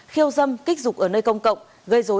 khiêu dâm kích dục ở nơi công cộng